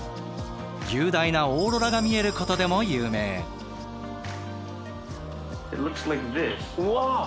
雄大なオーロラが見えることでも有名。わ。